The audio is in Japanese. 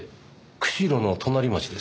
釧路の隣町です。